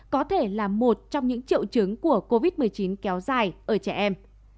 có thể là một trong những triệu chứng của covid một mươi chín kéo dài ở trẻ em